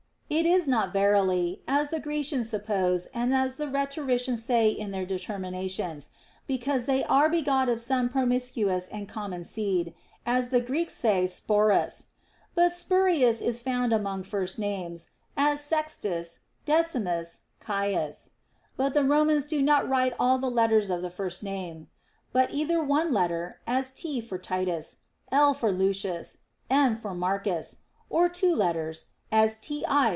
It is not verily — as the Grecians suppose and as the rhetoricians say in their determinations — be cause they are begot of some promiscuous and common seed (as the Greeks say σπόρος). But Spurius is found THE ROMAN QUESTIONS. 259 among first names, as Sextus, Decimus, Caius. But the "Romans do not write all the letters of the first name ; but either one letter, as T. for Titus, L. for Lucius, M. for Marcus ; or two letters, as Ti.